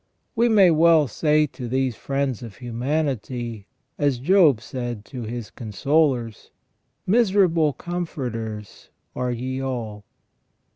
We may Avell say to these friends of humanity as Job said to his con solers :" Miserable comforters are ye all